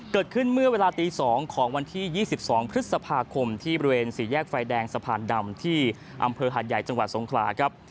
เกิดขึ้นเมื่อเวลาตี๒ของวันที่๒๒พฤษภาคมที่บริเวณสี่แยกไฟแดงสะพานดำที่อำเภอหาดใหญ่จังหวัดสงขลาครับ